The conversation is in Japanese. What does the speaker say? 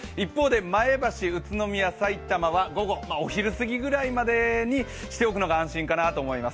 前橋、宇都宮、さいたまはお昼過ぎまでにしておくのがいいかなと思います。